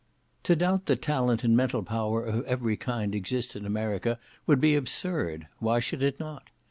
To doubt that talent and mental power of every kind exist in America would be absurd; why should it not?